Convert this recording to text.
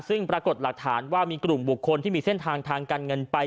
ซึ่งปรากฏหลักฐานว่ามีกลุ่มบุคคลที่มีเส้นทางทางการเงินไป